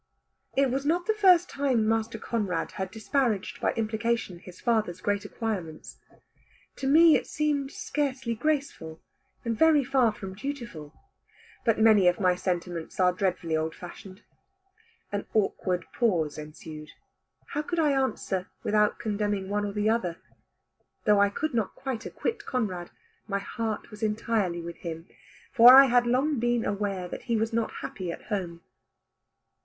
It was not the first time Master Conrad had disparaged, by implication, his father's great acquirements. To me it seemed scarcely graceful, and very far from dutiful, but many of my sentiments are dreadfully old fashioned. An awkward pause ensued; how could I answer without condemning one or the other? Though I could not quite acquit Conrad, my heart was entirely with him, for I had long been aware that he was not happy at home.